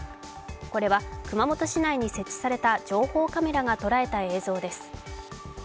これは熊本市内に設置された情報カメラが捉えた映像です。